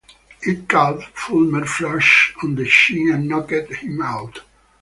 It caught Fullmer flush on the chin and knocked him out.